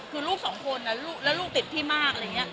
คือลูกสองคนแล้วลูกติดพี่มากอะไรอย่างนี้